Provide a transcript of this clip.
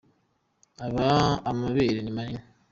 amabereye nimanini